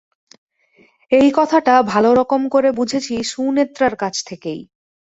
এই কথাটা ভালোরকম করে বুঝেছি সুনেত্রার কাছ থেকেই।